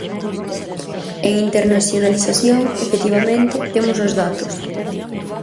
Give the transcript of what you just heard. En internacionalización, efectivamente, temos os datos.